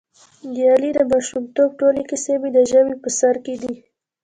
د علي د ماشومتوب ټولې کیسې مې د ژبې په سر کې دي.